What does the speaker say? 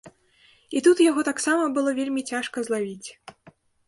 І тут яго таксама было вельмі цяжка злавіць.